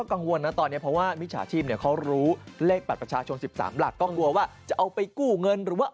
อะไรไม่รู้ป้าก็เลยโอ้โหไม่ไหวแล้ว